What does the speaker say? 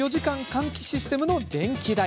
換気システムの電気代